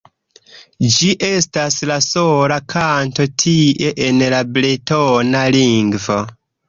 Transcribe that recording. Ĝi estas la sola kanto tie en la bretona lingvo.